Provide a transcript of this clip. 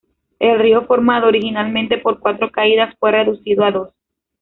El río, formado originalmente por cuatro caídas, fue reducido a dos.